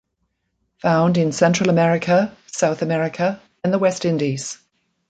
Found in Central America, South America and the West Indies.